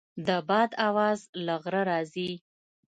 د باد اواز له غره راځي.